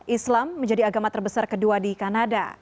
islam menjadi agama terbesar kedua di kanada